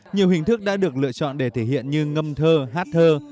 nhiều hình thức đã được lựa chọn để thể hiện như ngâm thơ hát thơ